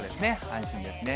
安心ですね。